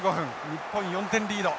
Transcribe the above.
日本４点リード。